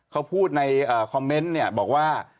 เขาพูดในคอมเม้นต์บอกว่า